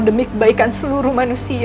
demi kebaikan seluruh manusia